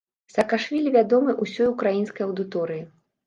Саакашвілі вядомы ўсёй украінскай аўдыторыі.